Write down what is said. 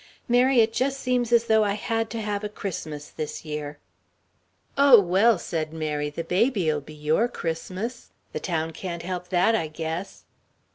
Mary, it just seems as though I had to have a Christmas this year!" "Oh, well," said Mary, "the baby'll be your Christmas. The town can't help that, I guess."